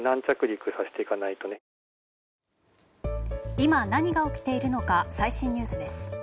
今、何が起きているのか最新ニュースです。